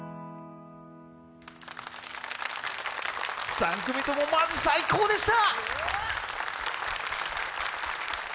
３組とも、マジ最高でした！